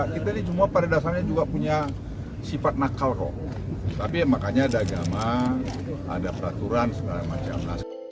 kita ini semua pada dasarnya juga punya sifat nakal kok tapi makanya ada agama ada peraturan segala macam